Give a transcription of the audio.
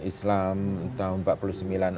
islam tahun seribu sembilan ratus empat puluh sembilan